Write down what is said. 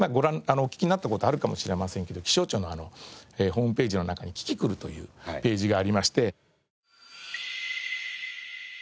お聞きになった事あるかもしれませんけど気象庁のホームページの中にキキクルというページがありまして。